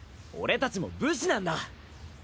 俺たちも武士なんだ！